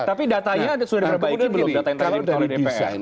tapi datanya sudah diperbaiki belum datanya terhadap dpr